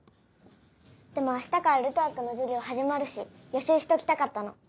でも明日からルトワックの授業始まるし予習しときたかったの。